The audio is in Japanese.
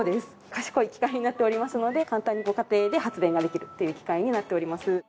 賢い機械になっておりますので簡単にご家庭で発電ができるっていう機械になっております。